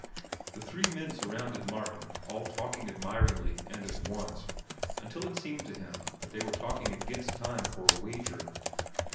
The three men surrounded Martin, all talking admiringly and at once, until it seemed to him that they were talking against time for a wager.